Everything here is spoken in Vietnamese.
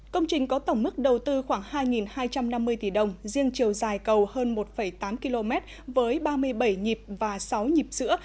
công trình có tổng mức đầu tư khoảng hai hai trăm năm mươi tỷ đồng riêng chiều dài cầu hơn một tám km với ba mươi bảy nhịp và sáu nhịp sữa